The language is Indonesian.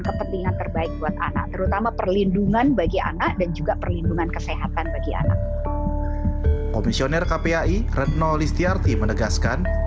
kemendikbud tidak pernah mengevaluasi pelaksanaan zona kuning dan hijau sebelum membuka sekolah